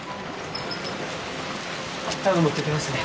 タオル持ってきますね。